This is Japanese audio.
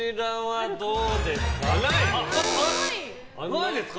ないですか。